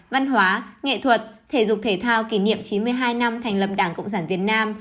văn hóa nghệ thuật thể dục thể thao kỷ niệm chín mươi hai năm thành lập đảng cộng sản việt nam